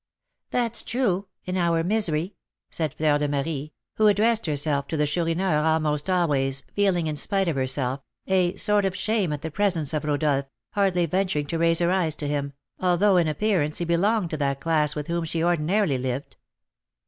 "That's true, in our misery," said Fleur de Marie, who addressed herself to the Chourineur almost always, feeling, in spite of herself, a sort of shame at the presence of Rodolph, hardly venturing to raise her eyes to him, although in appearance he belonged to that class with whom she ordinarily lived.